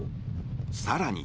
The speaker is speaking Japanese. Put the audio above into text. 更に。